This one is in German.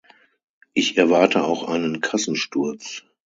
Ich erwarte auch einen Kassensturz.